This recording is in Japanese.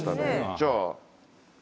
じゃあ。